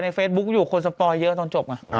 เฟซบุ๊กอยู่คนสปอยเยอะตอนจบไง